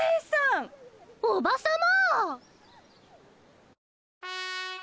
おばさま！